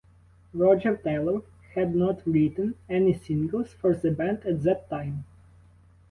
Roger Taylor had not written any singles for the band at that time.